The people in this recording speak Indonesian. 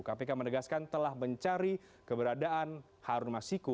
kpk menegaskan telah mencari keberadaan harun masiku